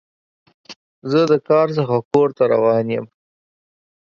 زه د کار څخه کور ته روان یم.